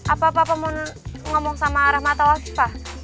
apa apa mau ngomong sama rahma atau fifah